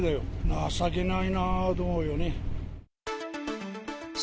情けないなあと思うよね。